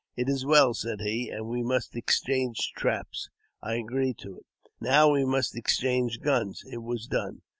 *' It is well," said he, " and we must exchange traps." I agreed to it. " Now we must exchange guns." It was done.